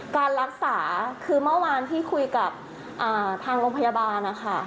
การรักษาคือเมื่อวานที่คุยกับทางโรงพยาบาลนะคะ